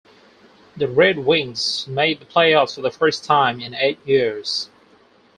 The Red Wings made the playoffs for the first time in eight years.